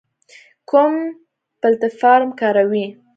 کوم پلتفارم کاروئ؟